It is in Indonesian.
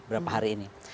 berapa hari ini